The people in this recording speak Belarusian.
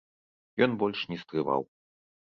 Ён больш не стрываў.